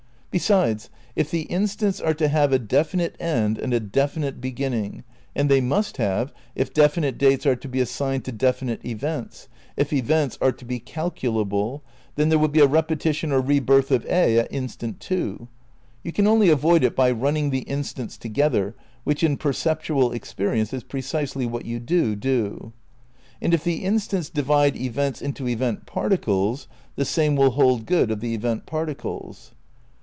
Besides, if the instants are to have a definite end and a definite beginning — and they must have if definite dates are to be assigned to definite events, if events are to be calculable — then there will be a repetition or re birth of A at instant 2. (You can only avoid it by running the instants to gether, which in perceptual experience is precisely what you do do.) And if the instants divide events into event particles, the same will hold good of the event particles.